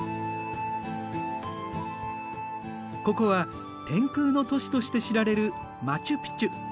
ここは天空の都市として知られるマチュピチュ。